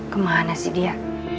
kemana sih dia